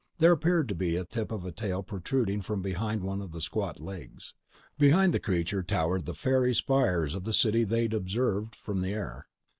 There appeared to be the tip of a tail protruding from behind one of the squat legs. Behind the creature towered the faery spires of the city they'd observed from the air.